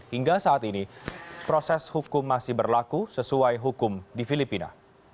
hingga saat ini proses hukum masih berlaku sesuai hukum di filipina